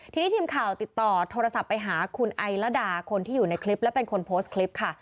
ทีนี้ทีมข่าวติดต่อโทรศัพท์ไปหาคุณไอละดาคนที่อยู่ในคลิปและเป็นคนโพสต์คลิปค่ะ